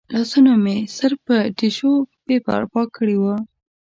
لاسونه مې صرف په ټیشو پیپر پاک کړي و.